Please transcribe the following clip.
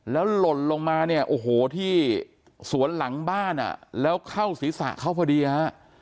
แล้วหล่นลงมาเนี่ยโอ้โหที่สวนหลังบ้านอ่ะแล้วเข้าศีรษะเขาพอดีฮะ